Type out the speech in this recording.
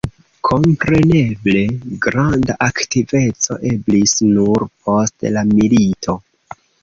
Kompreneble, granda aktiveco eblis nur post la milito.